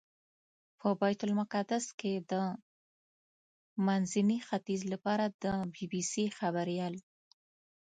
په بیت المقدس کې د منځني ختیځ لپاره د بي بي سي خبریال.